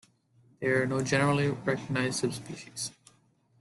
There are no generally recognised subspecies.